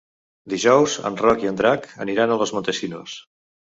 Dijous en Roc i en Drac aniran a Los Montesinos.